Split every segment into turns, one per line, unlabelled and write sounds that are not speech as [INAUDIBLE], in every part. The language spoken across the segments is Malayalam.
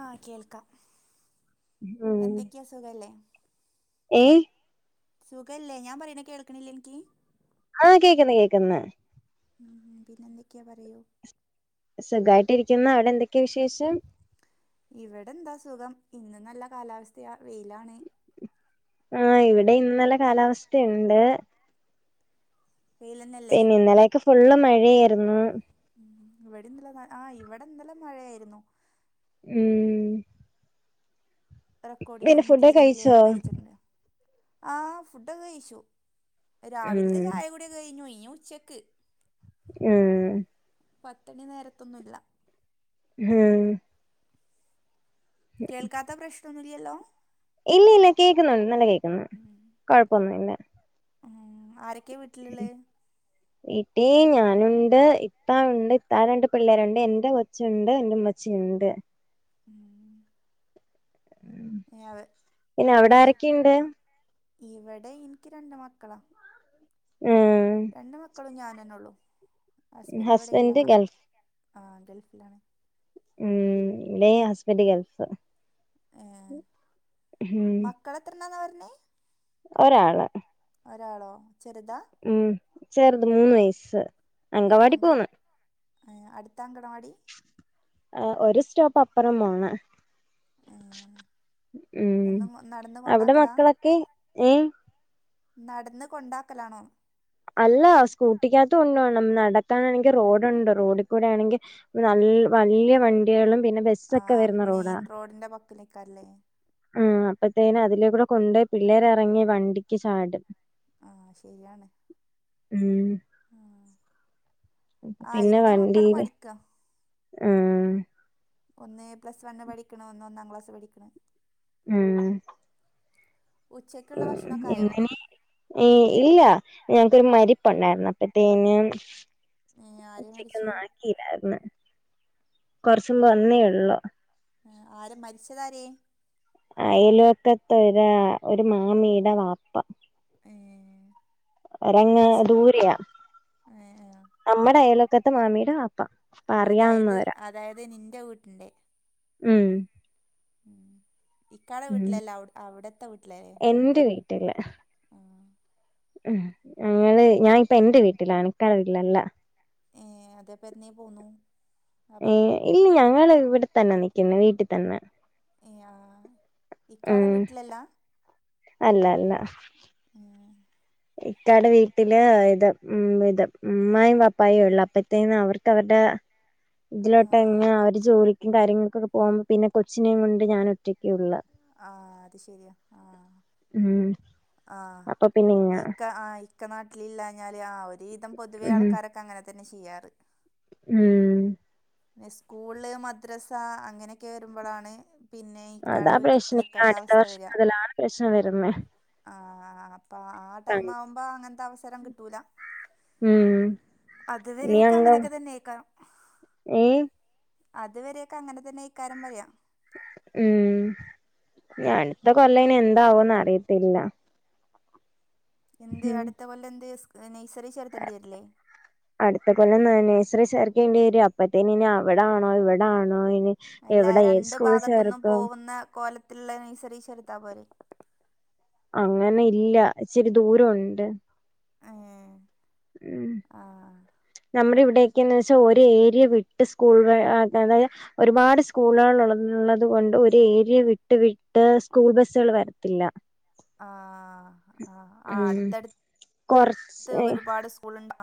ആ കേൾക്കാം എന്തൊക്കെ സുഖോല്ലോ?
ഏയ്
സുഖല്ലേ ഞാൻ പറയുന്ന കേൾക്കണില്ലേ നിക്ക്.
ആ കേക്കുന്നു കേക്കുന്നു
ഉം പിന്നെ എന്തൊക്കെയാ പറയൂ.
സുഖായിട്ട് ഇരിക്കുന്ന അവിടെ എന്തൊക്കെയാ വിശേഷം.
ഇവിടെ എന്താ സുഖം ഇന്ന് നല്ല കാലാവസ്ഥയാ വെയിലാണ്.
ആ ഇവിടെ ഇന്നലെ കാലാവസ്ഥയുണ്ട്.
വെയിലന്നല്ലേ
പിനെ ഇനലേക്കോ ഫുള്ളും മഴേയായിരുന്നു.
ഇവിടെന്നലെ ആ ഇവിടെന്നലെ മഴയായിരുന്നു.
ഉം പിന്നെ
റെക്കോർഡിങ്ങൊന്നും
ഫുഡൊക്കെ
തീരേം ക്ലിയർ
കഴിച്ചോ
ഇ റെയ്ഞ്ചൊന്നുല്ല ആ ഫുഡൊക്കെ കഴിച്ചു
ഉം
രാവിലത്തെ ചായ കുടിയേക്ക കഴിഞ്ഞു ഇനി ഉച്ചക്ക്.
ഊം
പത്തുണി നേരത്തൊന്നുല്ല.
ആഹ്
കേൾക്കാത്ത പ്രശ്ന്നൊന്നുല്ലല്ലോ.
ഇല്ല ഇല്ല കേക്കുന്നു നല്ല കേക്കുന്നു കൊഴപ്പൊന്നുല്ല.
ആ ആരൊക്കെയാ വീട്ടില്ള്ളേ
വീട്ടീ ഞാനുണ്ട് ഇത്ത ഉണ്ട് ഇത്താ രണ്ട് പിള്ളേരുണ്ട് എന്റെ കൊ ച്ചുണ്ട് എന്റെ ഉമ്മച്ചിയുണ്ട്.
ഉം ഇ അവ
പിന്നെ അവിടെ
ഈ
ആരൊക്കെയുണ്ട്
ഇവിടെ എനിക്ക് രണ്ട് മക്കളാ
ഉം
രണ്ട് മക്കളും ഞാനന്നേ ഒള്ളൂ ഹസ്ബൻഡ് ഇവടെയില്ല ഞാ ആ ഗൾഫിലാണ്
ഉം ടേ ഹസ്ബെൻഡ് ഗൾഫ് ഹും.
കളത്തിര്ന്നാന്നാ
ഒരാള്.
ഒരാളോ ചെറുതാ.
ഉം ചെറുത് മൂന്ന് വയസ്സ്.
ആ
അങ്കവാടി
അങ്കര്
പോന്ന്
ഏ അടുത്താ അങ്കണവാടി.
ആ ഒരു സ്റ്റോപ്പ് അപ്പുറം പോണം
ഏ,
ഹ് ഉം
എന്നും കൊ- നടന്ന്
അവിട
കൊണ്ടാക്കലാ
മക്കളൊക്കെ ഏ
നടന്ന് കൊണ്ടാക്കലാണോ
അല്ല സ്കൂട്ടിക്കകത്തു കൊണ്ടോണം. നടക്കാനാണെങ്കി റോഡുണ്ട് റോഡി കൂടെ ആണെങ്കി നൽ വല്ല്യ വണ്ടികളും പിന്നെ ബസ്.
ആ മെയിൻ റോഡിന്റെ വക്കിലേക്കല്ലേ?
ഊം അപ്പത്തേനും അതിലേക്കൂടെ കൊണ്ട് പിള്ളേരെറങ്ങി വണ്ടിക്ക് ചാടും.
ആഹ് ശരിയാണ്
ഉം
ആ ആ
പിന്നെ
എൻ്റെ മക്കൾ
വണ്ടീയില്
പഠിക്കുക
ഉം
ഒന്ന് പ്ലസ് വണ്ണ് പഠിക്കണ് ഒന്ന് ഒന്നാം ക്ലാസ് പഠിക്കണ്
ഉം
ക്ക്ള്ള ഭക്ഷണക്കായോ
ഈ ഇല്ല ഞങ്ങൾക്കൊരു മരിപ്പുണ്ടായിരുന്നു അപ്പൊത്തേനും
ആര് മരിച്ചു
ഇതായിരുന്ന് കൊറച്ച് മുമ്പ് വന്നേ ഉള്ളൂ
ആഹ് ആരെ മരിച്ചതാരേ
അയലൊക്കത്തെ ഒര ഒരു മാമീടെ വാപ്പ
ഏഹ്
ഒരങ്ങ് ദൂരയാ
ഏഹ് ഏഹ്
അമ്മെടെ അയലൊക്കത്തെ മാമിയുടെ ആപ്പ
അതായത്
അറിയാവുന്നവരാ
അതായത് നിന്റെ വീട്ടിന്റെ
ഉം
ഉം ഇക്കാടെ വീട്ടിലല്ല അവിടത്തെ വീട്ട്കാര്
എൻ്റെ വീ ഇട്ടില്ല
ഉം
ഉം ഞങ്ങള് ഞാനിപ്പം എന്റെ വീട്ടിലാണ് ഇക്കാന്റെ വീട്ടിലല്ല
ഏഹ് അത്പ്പെന്നേ പോന്നു അപ്പൊ കു
ഏഹ് ഇല്ല ഞങ്ങള് ഇവിടെത്തന്നെ നിക്കുന്നേ വീട്ടിൽ തന്നെ
യാ ആഹ് ഇക്കാടെ
ഉം
വീട്ടിലല്ലാ
അല്ല അല്ല
ഏഹ്
ഇക്കാടെ വീട്ടില് ഇത് ഉം ഇത് അമ്മായും പാപ്പായും ഉള്ള് അപ്പത്തേന്ന് അവർക്ക് അവരുടെ
[INAUDIBLE]
ഇതിലോട്ട്
ആ
എങ്ങനെ അവര് ജോലിക്കും കാര്യങ്ങൾക്കൊക്കെ പോകുമ്പോ പിന്നെ കൊച്ചിനേം കൊണ്ട് ഞാൻ ഒറ്റയ്ക്കൊള്ളു
ആഹ് അത് ശരിയാ ആഹ്
ഉം
ആഹ്
അപ്പൊ പിന്നെ ഇങ്ങ
ഇക്ക ആഹ് ഇക്ക നാട്ടില് ഇല്ലാഞ്ഞാല് ആഹ് ഒരു വിധം പൊതുവെ
ഉം
ആൾക്കാരൊക്കെ ഒക്കെ അങ്ങനെ തന്നെ ചെയ്യാറ്
ഉം
പിന്നെ സ്കൂള് മദ്രസ അങ്ങനെയൊക്കെ വരുമ്പോഴാണ് പിന്നെ
അതാ
ഈക്കാടെ വീട്ടില്
പ്രശ്നം ഇനി
നിൽക്കണ്ട
അടുത്ത
അവസ്ഥ
വർഷം
വരിക
മുതലാണ് പ്രശ്നം വരുന്നേ
ആഹ് അപ്പൊ ആഹ് ടൈം ആവുമ്പോ അങ്ങനത്തെ അവസരം കിട്ടൂല
ഉം ഇനി
അതുവരേക്കും
അങ്ങ്
അങ്ങനെക്കെ തന്നെയ്ക്കാരം
ഏ
അതുവരേക്കും അങനെത്തെന്നേക്കാരം പറയാ
ഉം അടുത്ത കൊല്ലം എന്താവോന്ന് അറിയത്തില്ല
എന്ത്
ഉം
അടുത്ത കൊല്ലം എന്ത് നഴ്സറി ചേർത്തേണ്ടി വരില്ലേ
അടുത്ത കൊല്ലം ന് നേഴ്സറി ചേർക്കേണ്ടി വരും അപ്പത്തേന് ഇനി അവിടാണോ ഇവിടാണോ ഇനി
അല്ല
എവിടെ ഏത്
രണ്ടു
സ്കൂളിൽ
ഭാഗത്ത്ന്നും
ചേർക്കും
പോകുന്ന കോലത്തില്ള്ള നയ്സറി ചേർത്താൽ പോരെ
അങ്ങനെ ഇല്ല ഇച്ചിരി ദൂരം ഉണ്ട്
അങേ
ഉം നമ്മുടെ ഇവിടെ എന്ന് വെച്ചാൽ ഒരു ഏരിയ വിട്ട് സ്കൂളിൽ ആക്കാതെ ഒരുപാട് സ്കൂളുകൾ ഉള്ളത് കൊണ്ട് ഒരു ഏരിയ വിട്ട് വിട്ട് സ്കൂൾ ബസ്സുകൾ വരത്തില്ല
ആഹ് ആഹ് ആഹ്
കൊറച്ച്
അട്ത്തട്ത്ത് ഒരുപാട് സ്കൂള് ണ്ട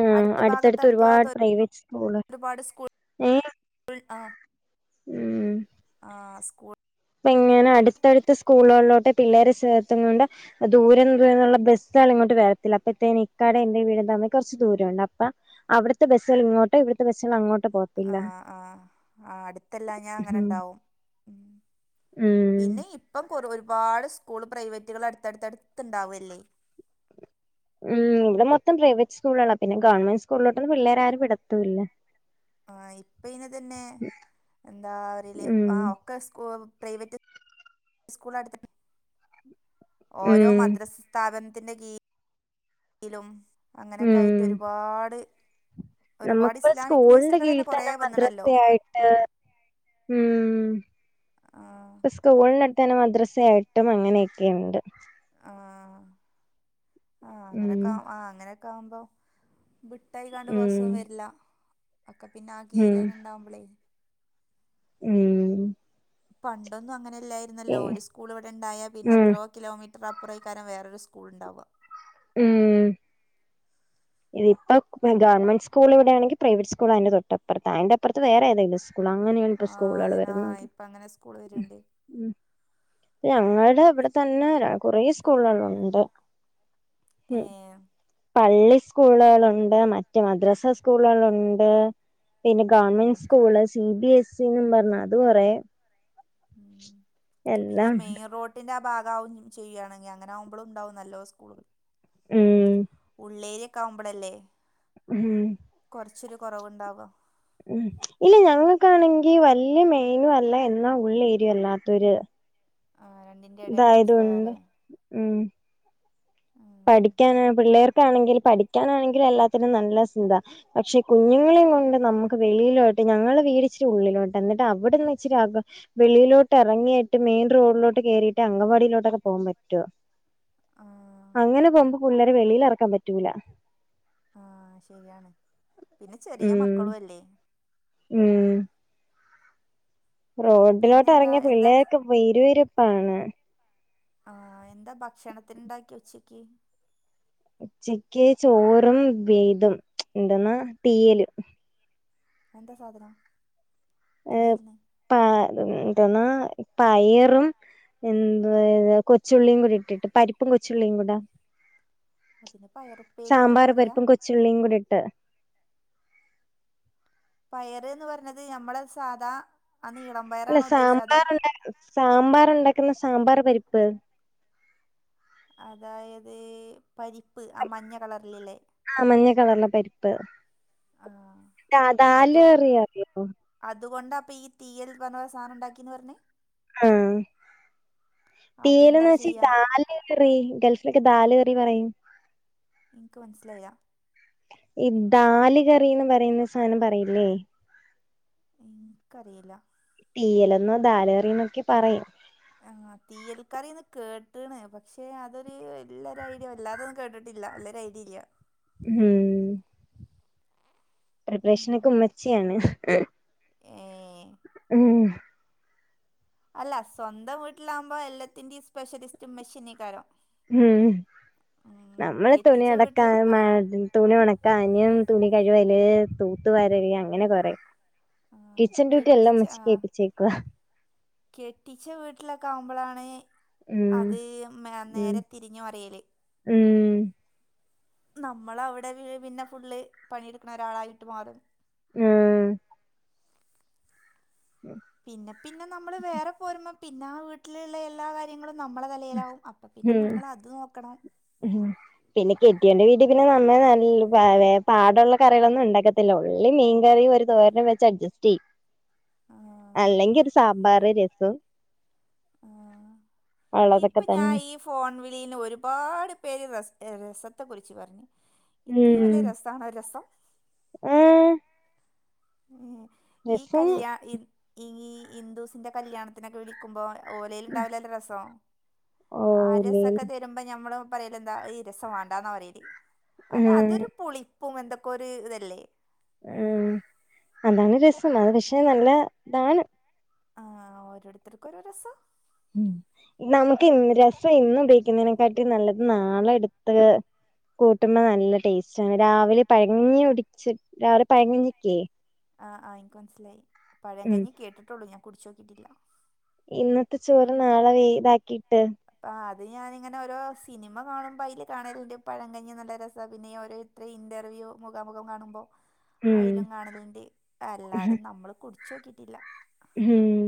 ഉം
അടുത്ത
അടുത്തടുത്ത് ഒരുപാട്
ഭാഗത്തടുത്തഭാഗത്ത്
പ്രൈവറ്റ് സ്കൂള്
ഒരുപാട് സ്കൂൾ
ഏ
ൾ ആഹ്
ഉം
ആഹ് സ്കൂൾ
ഇപ്പ ഇങ്ങനെ അടുത്തടുത്ത സ്കൂളുകളിലോട്ടെ പിള്ളേരെ ചേർത്ത്ങ്ങാണ്ടെ ദൂരംന്നുള്ള ന്ന്ള്ള ബസ്സണ് ഇങ്ങോട്ട് വരത്തില്ല അപ്പത്തേന് ഇക്കാടെ എന്റെറെ വീട തമ്മിൽ കൊർച്ച് ദൂരമുണ്ട് അപ്പ അവിടുത്തെ ബസ്സുകൾ ഇങ്ങോട്ടെ ട്ട് പക്ഷെ അങ്ങോട്ട് പോകത്തില്ല.
ആഹ് ആഹ് ആഹ് അടുത്തല്ലാഞ്ഞാ അങ്ങനെണ്ടാവും ഉം
ഉം
പിന്നെ ഇപ്പം കുറ ഒരുപാട് സ്കൂള് പ്രൈവറ്റുകൾ അടുത്തടുത്തടുത്ത്ണ്ടാവല്ലേ?
ഉം ഇവിടെ മൊത്തം പ്രൈവറ്റ് സ്കൂളളാ പിന്നെ ഗവൺമെന്റ് സ്കൂളിലോട്ടൊന്നും പിള്ളേരാരും വിടത്തൂല്ല
ആഹ് ഇപ്പയ്നതന്നെ എന്താ പറല്
ഉം
ആഹ് സ്‌കൂ പ്രൈവറ്റ് സ്കൂൾ അടുത്തന്നെ ഓരോ
ഉം
മക്കൾ സ്ഥാപനത്തിന്റെ കീഴ് യിലും
ഉം
അങ്ങനൊക്കായിട്ട് ഒരുപാട് ഒരുപാട്
നമുക്കിപ്പോ
ഇസ്ലാമിക്
സ്കൂളിന്റെ
നഴ്സറികൾ തന്നെ
കീഴിൽ
കൊറെ വന്നണല്ലോ
മദ്രസയായിട്ട്
ആഹ്
പ്പ സ്കൂളിനടുത്തന്നെ മദ്രസ ആയിട്ടും അങ്ങനെയൊക്കെണ്ട്
ആഹ് ആഹ്
ഉം
അങ്ങനെക്കാ ആഹ് അങ്ങനൊക്കെ ആവുമ്പോ ബിട്ടായിക്കാണ്ട്
ഉം
ബസും വരില്ല ഒക്കെ പിന്നെ ആ
ഉം
കീലന്നെ ഉണ്ടാവുമ്പോളേ
ഉം
പണ്ടൊന്നും അങ്ങനെല്ലായിരുന്നല്ലോ
പിന്നെ
ഒരു സ്കൂൾ ഇവിടെണ്ടായ
ഉം
പിന്നെത്രോ കിലോമീറ്റർ അപ്പുറയ്ക്കാരം വേറൊരു സ്കൂള്ണ്ടാവ
ഉം ഇത്പ്പ ഗവമെന്റ് സ്കൂള് ഇവിടെയാണെങ്കി പ്രൈവറ്റ് സ്കൂളതിന്റെ തൊട്ടപ്പർത്ത അതിന്റെ അപ്പർത്ത് വേറെ ഏതേലും സ്‌ സ്കൂൾ അങ്ങനെയാണ്പ്പ
ആഹ്
സ്കൂളള്
അതിനാ
വരുന്നത്.
ഇപ്പ അങ്ങനെ സ്കൂൾ വര്ണ്ട്
ഞങ്ങളുടെ
പി
ഇവിടെ തന്നെ കുറേ സ്കൂളുകളുണ്ട് ഉം
ഏഹ്
പള്ളി സ്കൂളുകളുണ്ട് മറ്റ മദ്രസ സ്കൂളുകളുണ്ട്, പിന്നെ
ഉം
government school C B S C എന്നും പർഞ്ഞ് അത് കൊറെ
പിന്നെ
എല്ലാം
മെയിൻ റോഡ് തിന്റെ ആഹ് ഭാഗവും ചെയ്യണെങ്കിൽ അങ്ങനാകുമ്പളും ഉണ്ടാവും നല്ലോ സ്കൂള്
ഉം
ഉള്ളേരിയക്കവുമ്പോളല്ലേ
ഉം
കൊറച്ചൊരു കൊറവുണ്ടാവ
ഉ ഇല്ല ഞങ്ങൾക്കാണെങ്കി വല്യ മെയിനും അല്ല എന്നാ ഉള്ളേരിയ അല്ലാത്തൊരു
ആ രണ്ടി
ഇതായതോണ്ട് ഉം
ഉം
പഠിക്കാന പിള്ളേർക്കാണെങ്കിൽ പഠിക്കാനാണെങ്കിലും എല്ലാത്തിനും നല്ല സുഖ പക്ഷെ കുഞ്ഞുങ്ങളെയും കൊണ്ട് നമുക്ക് വെളിയിലോട്ട് ഞങ്ങളുടെ വീട് ഇച്ചിരി ഉള്ളിലോട്ട് എന്നിട്ട് അവിടെന്ന് ഇച്ചിരി അക വെളിയിലോട്ട് എറങ്ങിയിട്ട് മെയിൻ റോഡിലോട്ട് കയറിയിട്ട് അങ്കവാടിയിലോട്ടൊക്കെ പോകാൻ പറ്റോ?
ആഹ്
അങ്ങനെ പോകുമ്പോ പിള്ളേരെ വെളിയിലെറക്കാൻ പറ്റൂല
ആഹ് ശെരിയാണ് പിന്നെ ചെറിയ
ഉം
മക്കളും അല്ലേ?
ഉം റോഡിലോട്ട്
പിന്നെന്താ
ഇറങ്ങിയ
എന്താ
പിള്ളേർക്കെ വെരുവരുപ്പാണ്
ആഹ് എന്താ ഭക്ഷണത്തിന്ണ്ടാക്കി ഉച്ചക്ക്
ഉച്ചക്ക് ചോറും വെയ്തും എന്തെന്നാ തീയല്
അഎന്താ സാധനം
ഏ
തീയലിന്
പ എന്തന്നാ പയറും എന്ത കൊച്ചുള്ളിയും കൂടി ഇട്ടിട്ട് പരിപ്പും കൊച്ചുള്ളിയും കൂടാ
അതിന് പയറും
സാമ്പാർ പരിപ്പും കൊച്ചുള്ളിയും കൂടി ഇട്ട്
പയർ എന്ന് പറഞ്ഞത് ഞമ്മള് സാധാ ആ നീളം
അല്ല
പയറാണോ ഉദ്ദേശിച്ചത് അതോ
സാമ്പാർണ്ട സാമ്പാർ ഉണ്ടാക്കുന്ന സാമ്പാർ പരിപ്പ്
അതായത് പരിപ്പ് ആ മഞ്ഞ കളറിലല്ലേ
ആ മഞ്ഞ കളർന്ന പരിപ്പ്
ആഹ അതും
ദാലേറിയ അറിയോ
അതുകൊണ്ടാ അപ്പൊ ഈ തീയൽ എന്നുപറഞ്ഞ സാധനം ഉണ്ടാക്കിന്ന് പറഞ്ഞെ
ആഹ
അതെന്താ
തീലന്ന് വച്ച
ചെയ്യാ
ദാൽ റി ഗേൾഫിലൊക്കെ ദാല് കറി പറയും
ഇനിക്ക് മനസ്സിലായ
ഈ ദാല കറിന്ന് പറയുന്ന സാധനം പറയില്ലേ
എനിക്കറിയില്ല
തീ്യൽ എന്നോ ദാലേറി എന്നൊക്കെ പറയും
ആഹ് തീയൽക്കറിന്ന് കേട്ടണ് പക്ഷെ അതൊരു വല്ലൊരു ഐഡിയ വല്ലാതെ കേട്ടിട്ട ല്ല ഒരു ഐഡി ഇല്ല
ഉം പ്രിപ്രേഷനൊക്കെ
ഉം.
ഉമ്മച്ചിയാണ് [UNINTELLIGIBLE]
ഏ
ഉം
അല്ല സ്വന്തം വീട്ടിലാവകുമ്പോൾ എല്ലാത്തിന്റെ സ്പെഷ്യലിസ്റ്റ് മെഷീനീക്കാരം
ഉം നമ്മള് തുണി
കെട്ടിച്ച വീട്ടിൽ
അലക്കാനും
ആ
[UNINTELLIGIBLE] തുണി ഉണക്കഞ്ഞും തുണി കഴിവല് തൂത്ത വരല് അങ്ങനെ കൊറെ
ആ
കിച്ചൻ ഡ്യൂട്ടി എല്ലാം
കെട്ടിച്ച ആ
അമച്ചിക്ക് എൽപിച്ചേക്കുവാ
കെട്ടിച്ച വീട്ടിലൊക്കെ ആകുമ്പോഴാണ്
ഉം
അത്
ഉം
നേരെ തിരിഞ്ഞ് പറയൽ
ഉം
നമ്മൾ അവിടെ പിന്നെ ഫുള്ള് പണിയെടുക്കണ ഒരാളായിട്ട് മാറും
ഉം
പിന്നെ പിന്നെ നമ്മള് വേറെ പോരുമ്പോ പിന്നെ ആ വീട്ടിലുള്ള എല്ലാ കാര്യങ്ങളും നമ്മളെ [UNINTELLIGIBLE] അപ്പൊ പിന്നെ
ഉം
നമ്മൾ അത് നോക്കണം
ഉം പിന്നെ കെട്ടിയോണ്ട് വീട്ടിൽ പിന്നെ നമ്മൾ നല്ല പാടുള്ള കറികളൊന്നും ഉണ്ടാക്കത്തില്ല ഉള്ളി മീൻകറിയും ഒരു തോരനും വെച്ച് അഡ്ജസ്റ്റ് ചെയ
ആ
അല്ലെങ്കിൽ ഒരു സാമ്പാർ രസം
ഉം
ഉള്ളതൊക്കെ
ഇപ്പ ഞാൻ
തന്നെ
ഈ ഫോൺ വിളിന്ന് ഒരുപാട് പേര് രസത്തെ കുറിച്ച് പറഞ്ഞു ഇത്രയും
ഉം
വലിയ രസ [UNINTELLIGIBLE] രസം
ആഹ്
ഉം ഈ
രസം
കല്യാ ഈ ഈ ഹിന്ദൂസിന്റെ കല്യാണത്തിനൊക്കെ വിളിക്കുമ്പോ ഓലൽ ഉണ്ടാവലല്ല രസോ ആ
ഓലേൽ
രസൊക്ക വരുമ്പോ ഞമ്മള് പറയ എന്താ രസം വേണ്ടാന്നാ പറല് കാരണം
ഉം
അതൊരു പുളി പൂ എന്തൊക്കെ ഒരു ഇതല്ലേ
ഉ അതാണ് രസം അത് പക്ഷെ നല്ല ഇതാണ്
ആ ഓരോരുത്തർക്കും ഒരുര രസം
ഉ നമുക്ക് രസം ഇന്ന ഉപയോഗിക്കുന്നതിനെക്കാട്ടി നല്ലത് നാളെ എടുത്ത് കൂട്ടുമ്പ നല്ല ടേസ്റ്റ് ആണ് രാവിലെ പഴകഞ്ഞി കുടിച്ച രാവിലെ പഴകഞ്ഞക്കേ
ആഹ ആ് എനിക്ക് മനസ്സിലായി പഴം
ഉം
കഴഞ്ഞഞ് കേട്ടിട്ടുള്ളൂ ഞാൻ കുടച്ച്നോക്കിട്ടില്ല
ഇന്നത്തെ ചോറ് നാളെ വെയതാക്കിട്ട്
അപ്പ അത് ഞാാനിങ്ങനെഓരോ സിനിമ കാണുമ്പോ അതിൽ കാണ പഴംകഞ്ഞി നല്ല രസമാണ് പിന്നെ [UNINTELLIGIBLE] ഇത്ര ഇന്റർവ്യൂ മുഖാമുഖം കാണുമ്പോൾ
ഉം
അയലും കാണലിറെ അല്ലാതെ നമ്മള് കുടിച്ച നോക്കിട്ടില്ല
ഉം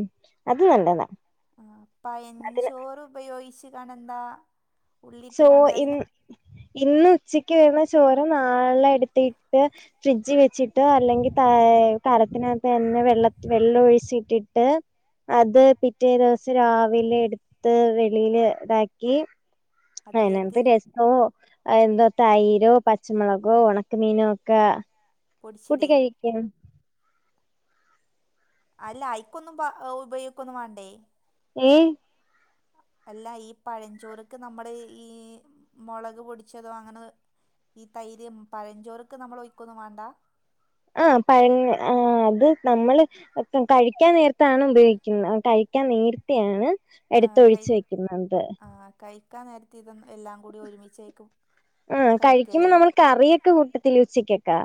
അത് നല്ലന്നാ
ആ പയൻചോറ് ഉപയോഗിച്ചു കണ എന്താ
ചോ ഇന് ഇന്ന് ഉച്ചക്ക് വരുന്ന ചോര് നാളെ എടുത്തിട്ട് ഫ്രിഡ്ജ് വെച്ചിട്ട് അല്ലെങ്കിൽ ത കലത്തിനകത്ത് തന്നെ വെള്ള വെള്ളം ഒഴിച്ചിട്ടിട്ട് അത് പിറ്റേ ദിവസം രാവിലെ എടുത്ത് വെളിൽ ഇതാക്കി
അതിലേക്ക്
അനത്ത് രസമോ എന്താ തൈരോ പച്ചമുളകോ ഉണക്ക മീനോ ഒക്കെ കൂട്ടി
പൊടിച്ചിടേ
കഴിക്ക
അല്ല ഐക്കൊന്നും ഉപയോഗിക്കൊന്നും വേണ്ടേ
ഏയ്
അല്ല ഈ പഴഞ്ചോറക്ക് നമ്മുടെ ഈ മുളക് പൊടിച്ചതോ അങ്ങനെ ഈ തൈര്ം പഴഞ്ചോർക്ക് നമ്മൾ ഒഴക്കൊന്നു വാണ്ട
ആ പഴ ആ അത് നമ്മള് കഴിക്കാൻ നേരത്താണ് ഉപയോഗിക്കുന്ന കഴിക്കാൻ നേരത്ത ആണ് എടുത്തൊഴിച്ചു വെക്കുന്നുണ്ട്
ആഹ് കൈ ഒക്കാ നേരത്തെ ഇത എല്ലാം കൂടി ഒരുമിച്ചേക്കും
ആഹ് കഴിക്കുമ്പോ നമ്മൾ കറിയൊക്കെ കൂട്ടത്തി ഉച്ചക്കൊക്കാ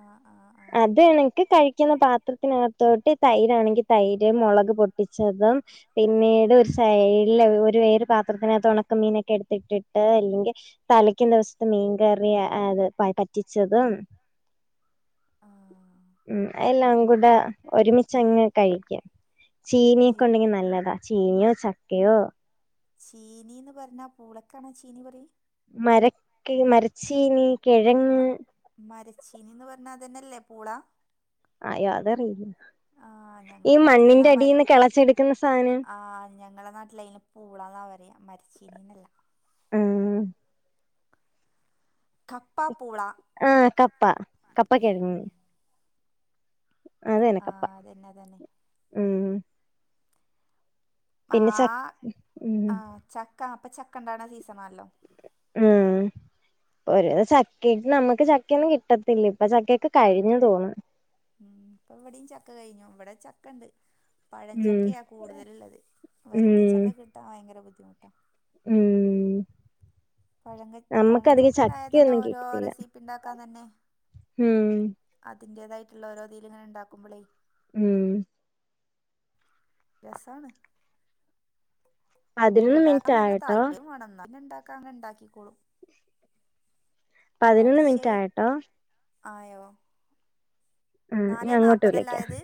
ആ ആ ആ
അത് എനിക്ക് കഴിക്കുന്ന പാത്രത്തിനകത്തോട്ട് തൈരാ ആണെങ്കി തൈര് മുളക് പൊട്ട ച്ചതും
ആ ആ
പിന്നീട് ഒരു സൈഡ ഇല്ല ഒരു വേര് പാത്രത്തിനകത്ത് ഉണക്ക മീനൊക്കെ എടുത്തിട്ടിട്ട് അല്ലെങ്കിൽ തലയ്ക്കും ദിവസത്ത് മീൻ കറിയ അത് പറ്റിച്ചതും
ആഹ്
ഉം എല്ലാംകൂടെ ഒരുമിച്ചങ്ങ് കഴിക്കും ചീനിഒക്കെ
ഇത്
ഉണ്ടെങ്കി നല്ലതാ ചീനിയോ ചക്കയോ
ചീനീന്ന് പറഞ്ഞാ പൂളക്കാണോ ചീനി പറ
മെരക്ക മെരച്ചീനി കിഴ
മ മരച്ചീനീന്ന് പറഞ്ഞതന്നെയല്ലേ പൂള
അയ്യോ അതറിയില്ല
ആ
ഈ
ഞങ്ങളെ
മണ്ണിന്റെ അടിൽന്ന് കിളച്ചെടുക്കുന്ന സാനം
ആ് ഞ ഞങ്ങളുടെ നാട്ടില അതിന് പൂളാന്നാ പറയാ മരിച്ചീനീന്നല്ല
മ്
കപ്പാ പ്പൂള
ആഹ് കപ്പ കപ്പ കേങ്ങ്
ആ
അതെനക്കപ്പ
അതന്നെ അതന്നെ
ഉം പിന്നെ ച
ആഹ്
ഉം
ആഹ് ചക്ക അപ്പൊ ചക്ക ഉണ്ടണ സീസണാണല്ലോ
ഉം ഒരു ചക്ക് നമുക്ക് ചക്കയൊന്നും കിട്ടത്തില്ല ഇപ്പൊ ചക്കയൊക്കെ കഴിഞ്ഞു തോന്നും
ഉം ഇപ്പ എവിടെയിം ചക്ക കഴിഞ്ഞു ഇവിടെ ചക്ക ഉണ്ട്
ഉം
പഴഞ്ചക്കയാണ് കൂടുതലുള്ളത്
ഉം
വരിക്കച്ചക്ക കിട്ടാൻ ഭയങ്കര ബുദ്ധിമുട്ടാണ്
മ്
പഴ പനഞ്ചക്ക ഉണ്ടായത് തന്നെ
ചക്കയൊന്നും
ഓരോ റെസിപ്പി ഉണ്ടാക്കാൻ തന്നെ
മ്
അതിന്റതായിട്ടുള്ള ഓരോതിയിൽ ഇങ്ങനെ ഉണ്ടാക്കുമ്പോളേ
ഉം
രസാണ്
പതിനൊന്ന്
ഉണ്ടാക്കാൻ
മിനിറ്റ്
നല്ല
ആയട്ടോ
താല്പര്യം വേണംന്നാല്ണ്ടാ അങ്ങ ഉണ്ടാക്കിക്കോളും
പതിനൊന്ന്
മടിച്ച്യ
മിനിറ്റ് ആയട്ടോ
ആയോ
ഉം ഇനി
നാലെ
അങ്ങോട്ട് വിളിക്കാം
നാൽപ്പതല്ലായത്